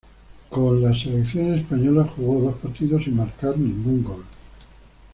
Con la selección española jugó dos partidos sin marcar ningún gol.